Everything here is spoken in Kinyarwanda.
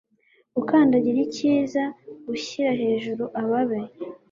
gukandagira icyiza gushyira hejuru ababi